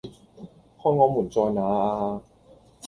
看我們在那呀？